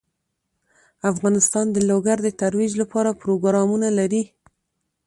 افغانستان د لوگر د ترویج لپاره پروګرامونه لري.